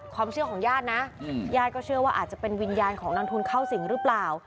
ความเชื่อของญาตินะญาติก็เชื่อว่าอาจจะเป็นวิญญาณของนางทุนเข้าสิงหรือเปล่า